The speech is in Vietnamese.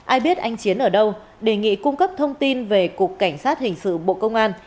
ai biết anh chiến ở đâu đề nghị cung cấp thông tin về cục cảnh sát hình sự bộ công an